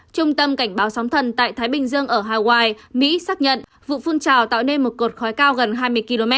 trung tâm cảnh báo sóng thần tại thái bình dương ở hawaii mỹ xác nhận vụ phun trào tạo nên một cột khói cao gần hai mươi km